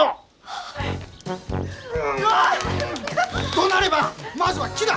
どなればまずは木だ！